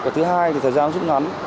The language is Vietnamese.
còn thứ hai thì thời gian rất ngắn